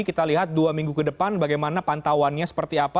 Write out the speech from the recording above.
kita lihat dua minggu ke depan bagaimana pantauannya seperti apa